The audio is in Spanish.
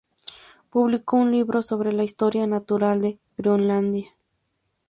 Publicó un libro sobre la historia natural de Groenlandia.